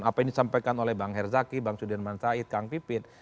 apa yang disampaikan oleh bang herzaki bang sudirman said kang pipit